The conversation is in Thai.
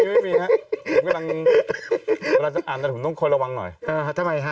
ผมกำลังจะอ่านแต่ผมต้องคอยระวังหน่อยเออทำไมฮะ